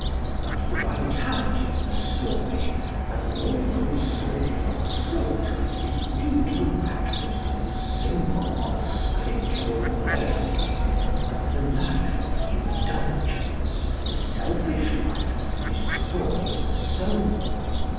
But the vitality of the story, as of all good stories of the sort, is due to the fact that it is the symbol of a spiritual verity: the life of indulgence, the selfish life, destroys the soul.